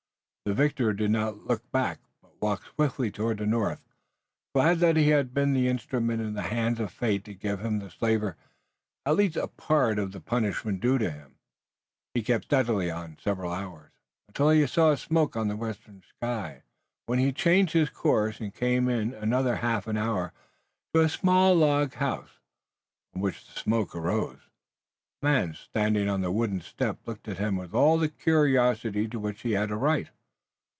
The victor did not look back, but walked swiftly toward the north, glad that he had been the instrument in the hands of fate to give to the slaver at least a part of the punishment due him. He kept steadily on several hours, until he saw a smoke on the western sky, when he changed his course and came in another half hour to a small log house, from which the smoke arose. A man standing on the wooden step looked at him with all the curiosity to which he had a right.